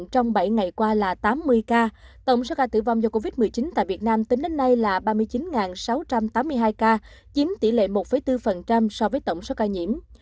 tổng số ca tử vong do covid một mươi chín tại việt nam tính đến nay là ba mươi chín sáu trăm tám mươi hai ca chiếm tỷ lệ một bốn so với tổng số ca nhiễm